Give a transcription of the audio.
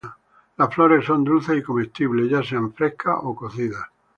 Las flores son dulces y comestibles, ya sean frescas o cocidas.